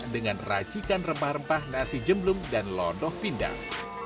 dengan racikan rempah rempah nasi jemblum dan lodoh pindang